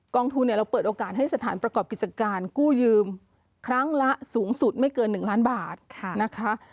ทุนเนี่ยเราเปิดโอกาสให้สถานประกอบกิจการกู้ยืมครั้งละสูงสุดไม่เกิน๑ล้านบาทนะคะ